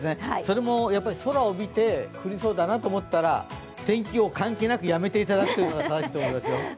それも空を見て、降りそうだなと思ったら天気予報関係なくやめていただくのが正しいと思います。